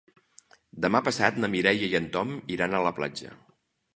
Demà passat na Mireia i en Tom iran a la platja.